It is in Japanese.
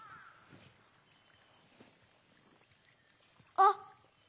あっ！